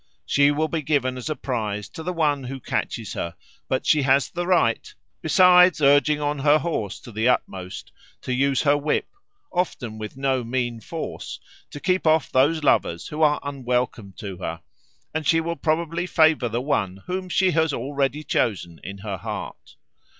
She will be given as a prize to the one who catches her, but she has the right, besides urging on her horse to the utmost, to use her whip, often with no mean force, to keep off those lovers who are unwelcome to her, and she will probably favour the one whom she has already chosen in her heart."